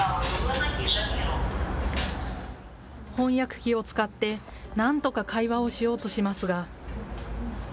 翻訳機を使って、なんとか会話をしようとしますが。